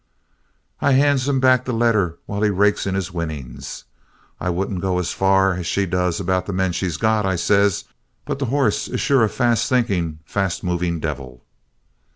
"I hands him back the letter while he rakes in his winnings. 'I wouldn't go as far as she does about the men she's got,' I says, 'but the hoss is sure a fast thinking, fast moving devil.'